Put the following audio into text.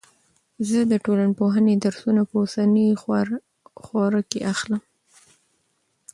زه د ټولنپوهنې درسونه په اوسنۍ خوره کې اخلم.